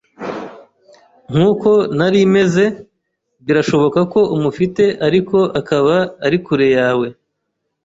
nkuko nari meze, birashoboka ko umufite ariko akaba ari kure yawe